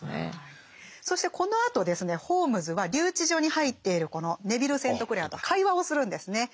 そしてこのあとですねホームズは留置所に入っているこのネヴィル・セントクレアと会話をするんですね。